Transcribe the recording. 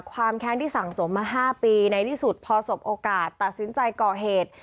แค้นที่สั่งสมมา๕ปีในที่สุดพอสบโอกาสตัดสินใจก่อเหตุ